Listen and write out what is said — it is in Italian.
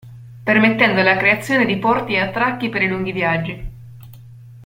Permettendo la creazione di porti e attracchi per i lunghi viaggi.